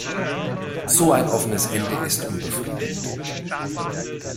So ein offenes Ende ist unbefriedigend.